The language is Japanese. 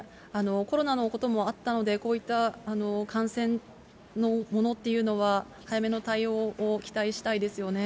コロナのこともあったので、こういった感染のものというのは、早めの対応を期待したいですよね。